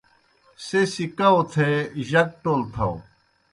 سہ سی کؤ تھے جک ٹول تھاؤ۔